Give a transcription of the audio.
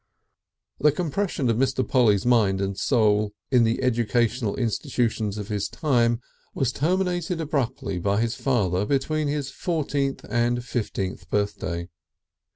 The compression of Mr. Polly's mind and soul in the educational institutions of his time, was terminated abruptly by his father between his fourteenth and fifteenth birthday.